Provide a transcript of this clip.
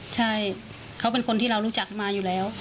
ใช่เขาเป็นคนที่เรารู้จักมาอยู่แล้ว